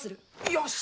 よし！